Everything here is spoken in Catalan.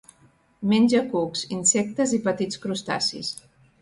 Menja cucs, insectes i petits crustacis.